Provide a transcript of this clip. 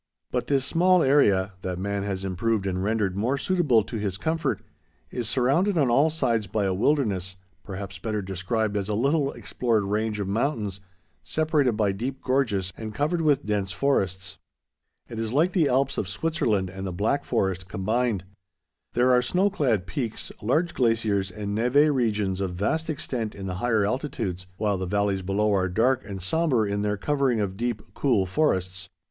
But this small area, that man has improved and rendered more suitable to his comfort, is surrounded on all sides by a wilderness, perhaps better described as a little explored range of mountains separated by deep gorges and covered with dense forests. It is like the Alps of Switzerland and the Black Forest combined. There are snow clad peaks, large glaciers, and névé regions of vast extent in the higher altitudes, while the valleys below are dark and sombre in their covering of deep, cool forests.